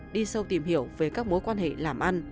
đi sâu tìm hiểu về các mối quan hệ làm ăn